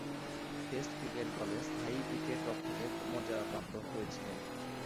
Test ক্রিকেটে দলের স্থায়ী উইকেট-রক্ষকের মর্যাদাপ্রাপ্ত হয়েছিলেন।